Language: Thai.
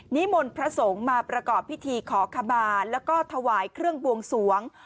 นิมนต์พระสงฆ์มาประกอบพิธีขอขมาแล้วก็ถวายเครื่องบวงสวง